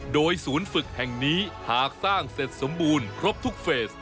โดยศูนย์ฝึกแห่งนี้หากสร้างเสร็จสมบูรณ์ครบทุกเฟส